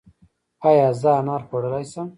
ایا زه انار خوړلی شم؟